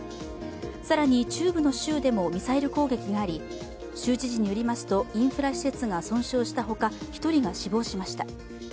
更に、中部の州でもミサイル攻撃があり州知事によりますと、インフラ施設が損傷したほか、１人が死亡しました。